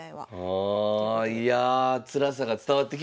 ああいやつらさが伝わってきました。